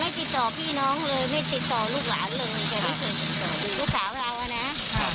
แกไม่ติดต่อพี่น้องเลยไม่ติดต่อลูกหลานเลยครับไม่เคยติดต่อ